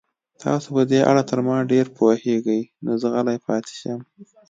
تاسو په دې اړه تر ما ډېر پوهېږئ، نو زه غلی پاتې شم.